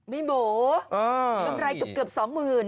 มิหมูกำไรเกือบสองหมื่น